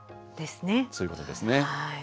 そういうことですね。